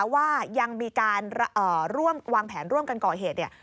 ว่ายังมีการวางแผนร่วมกันก่อเหตุ